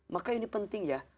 maka ini penting ya